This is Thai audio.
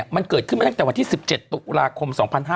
มันเกิดขึ้นมาตั้งแต่วันที่๑๗ตุลาคม๒๕๕๙